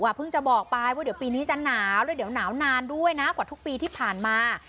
เพิ่งจะบอกไปว่าเดี๋ยวปีนี้จะหนาวแล้วเดี๋ยวหนาวนานด้วยนะกว่าทุกปีที่ผ่านมา